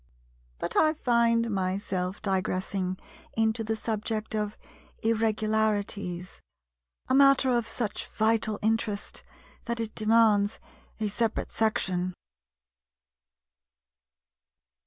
But I find myself digressing into the subject of Irregularities, a matter of such vital interest that it demands a separate section.